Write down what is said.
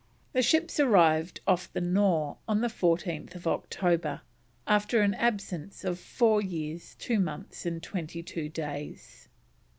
The ships arrived off the Nore on 4th October, after an absence of "four years, two months, and twenty two days."